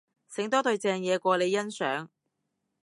醒多隊正嘢過你欣賞